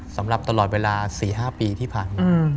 สำหรับตลอดเวลา๔๕ปีที่ผ่านมา